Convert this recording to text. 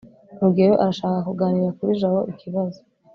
rugeyo arashaka kuganira kuri jabo ikibazo